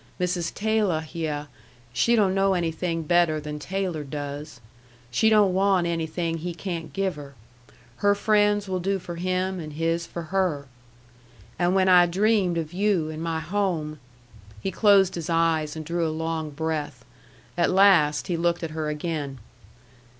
Mrs. Taylor hyeh she don't know anything better than Taylor does. She don't want anything he can't give her. Her friends will do for him and his for her. And when I dreamed of you in my home " he closed his eyes and drew a long breath. At last he looked at her again.